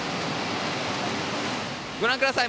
ご覧ください